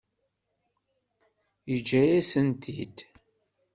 Yeǧǧa-yasent-t-id.